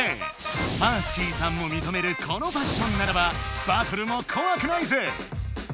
ＭＡＲＳＫＩさんもみとめるこのファッションならばバトルもこわくないぜ！